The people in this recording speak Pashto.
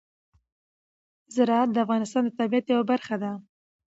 زراعت د افغانستان د طبیعت یوه برخه ده.